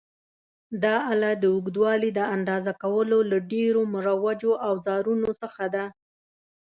دا آله د اوږدوالي د اندازه کولو له ډېرو مروجو اوزارونو څخه ده.